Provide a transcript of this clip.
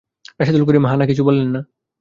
রাশেদুল করিম হা-না কিছু বললেন না।